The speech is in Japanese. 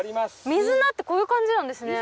水菜ってこういう感じなんですね。